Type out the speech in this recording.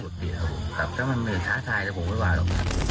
สุดเกลียดครับผมครับครับแต่มันมีช้าชายผมไม่ว่าหรอก